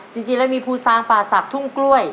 จริงแล้วมีภูซางป่าศักดิ์ทุ่งกล้วย